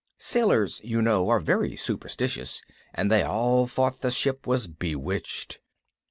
Sailors, you know, are very superstitious, and they all thought the ship was bewitched.